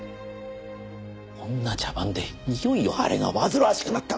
こんな茶番でいよいよあれが煩わしくなった。